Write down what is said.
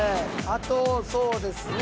あとそうですね